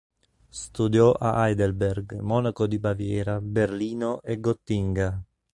Studiò a Heidelberg, Monaco di Baviera, Berlino e Gottinga.